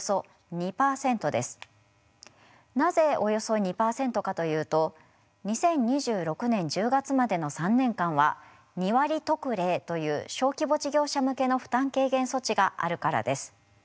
なぜおよそ２％かというと２０２６年１０月までの３年間は２割特例という小規模事業者向けの負担軽減措置があるからです。